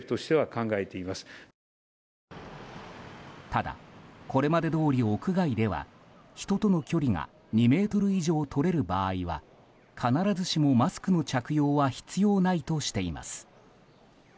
ただ、これまでどおり屋外では人との距離が２ｍ以上とれる場合は必ずしもマスクの着用は必要ないとしています。